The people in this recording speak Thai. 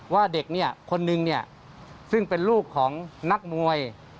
ว่าเด็กเนี่ยคนนึงเนี่ยซึ่งเป็นลูกของนักมวย